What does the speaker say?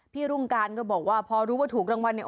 พี่รุ่งก่านก็บอกว่าพอรู้ถูกกับรางวัลนี้